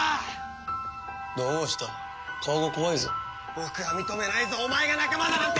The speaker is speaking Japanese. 僕は認めないぞお前が仲間だなんて！